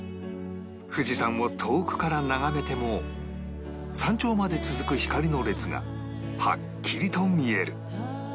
富士山を遠くから眺めても山頂まで続く光の列がはっきりと見える